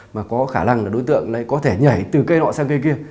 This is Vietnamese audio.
mà có khả năng là đối tượng này có thể nhảy từ cây nọ sang cây kia